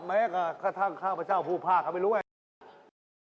แม้กระทั่งข้าวพระเจ้าผู้พลาดเขาไม่รู้ไง